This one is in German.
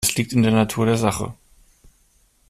Es liegt in der Natur der Sache.